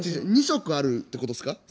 ２食あるってことっすか？